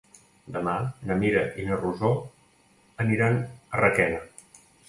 Demà na Mira i na Rosó aniran a Requena.